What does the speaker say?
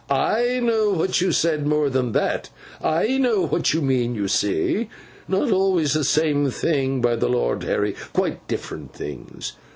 I know what you said; more than that, I know what you mean, you see. Not always the same thing, by the Lord Harry! Quite different things.